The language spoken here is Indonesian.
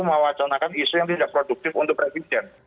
mewacanakan isu yang tidak produktif untuk presiden